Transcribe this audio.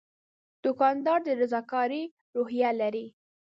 دوکاندار د رضاکارۍ روحیه لري.